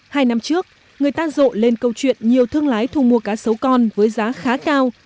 hai năm trước người ta rộ lên câu chuyện nhiều thương lái thu mua cá sấu con với giá khá cao